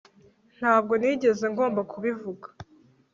Ntabwo nigeze ngomba kubivuga